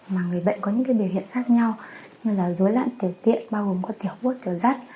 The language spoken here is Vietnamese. mà người bệnh có những biểu hiện khác nhau như là dối lạn tiểu tiện bao gồm có tiểu bốt tiểu rắt